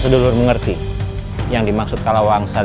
dan penemuan volts tadi